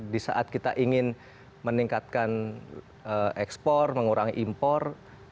di saat kita ingin meningkatkan ekspor mengurangi impor